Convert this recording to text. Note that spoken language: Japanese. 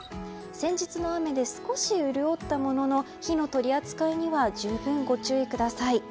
先日の雨で少し潤ったものの火の取り扱いには十分、ご注意ください。